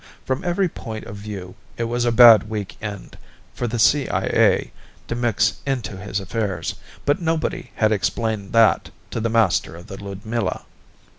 From every point of view it was a bad week end for the CIA to mix into his affairs, but nobody had explained that to the master of the Ludmilla.